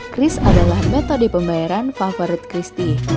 kris adalah metode pembayaran favorit christy